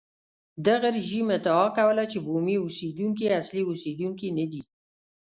دغه رژیم ادعا کوله چې بومي اوسېدونکي اصلي اوسېدونکي نه دي.